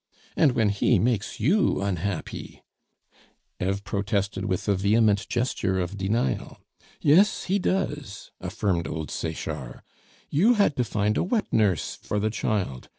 And when he makes you unhappy " Eve protested with a vehement gesture of denial. "Yes, he does," affirmed old Sechard; "you had to find a wet nurse for the child.